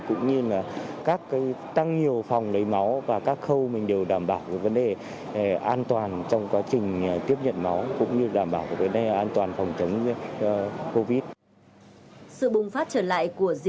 cũng như là tăng nhiều phòng lấy máu và các khâu mình đều đảm bảo vấn đề an toàn trong quá trình tiếp nhận máu cũng như đảm bảo an toàn phòng chống